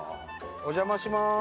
お邪魔します。